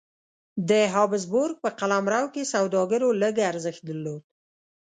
د هابسبورګ په قلمرو کې سوداګرو لږ ارزښت درلود.